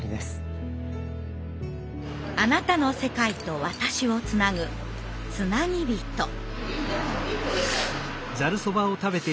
あなたの世界と私をつなぐつなぎびと。